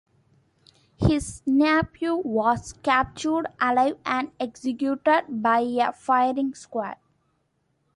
His nephew was captured alive and executed by a firing squad.